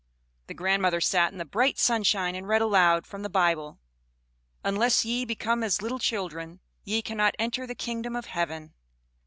The grandmother sat in the bright sunshine, and read aloud from the Bible: "Unless ye become as little children, ye cannot enter the kingdom of heaven."